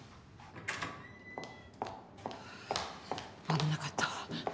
危なかった。